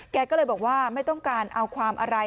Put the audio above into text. แกก็เลยบอกว่าไม่ต้องการเอาความอะไร